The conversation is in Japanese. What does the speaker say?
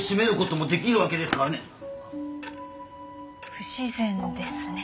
不自然ですね。